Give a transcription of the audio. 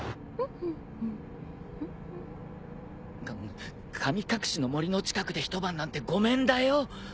か神隠しの森の近くで一晩なんてごめんだよ。